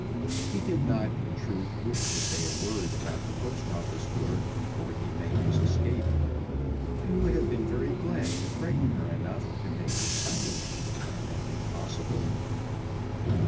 He did not, in truth, wish to say a word about the Post Office clerk before he made his escape, and would have been very glad to frighten her enough to make her silent had that been possible.